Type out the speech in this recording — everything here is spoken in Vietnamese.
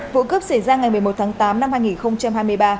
vụ cướp xảy ra ngày một mươi một tháng tám năm hai nghìn hai mươi ba